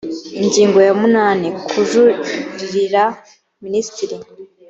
ingingo ya munani kujuririra minisitiri